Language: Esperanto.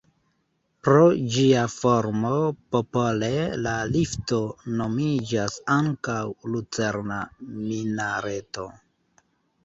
Pro ĝia formo popole la lifto nomiĝas ankaŭ Lucerna Minareto.